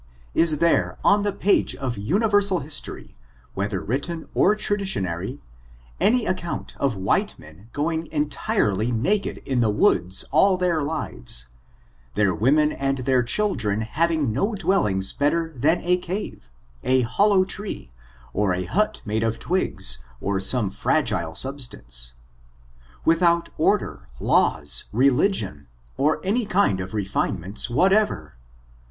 Is there on the page of universal history, whether written or tradi tionary, any account of white men going entirely na ked in the woods all their lives ; their women and their children having no dwellings better than a cave, a hollow tree, or a hut made of twigs, or some frag ile substance ; without order, laws, religion, or any kind of refinements whatever?